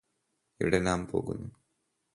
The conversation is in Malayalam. ഇവിടെ നാം പോകുന്നു